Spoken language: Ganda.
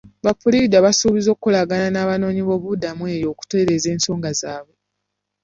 Ba puliida baasuubiza okukolagana n'abanoonyi b'obubudamu eyo okutereeza ensonga zaabwe.